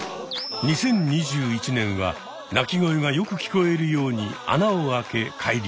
２０２１年は鳴き声がよく聞こえるように穴を開け改良。